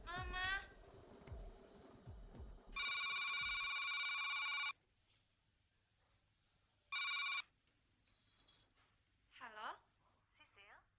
jalan kung jalan se di sini ada pesta besar besaran